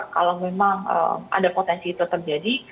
kalau memang ada potensi itu terjadi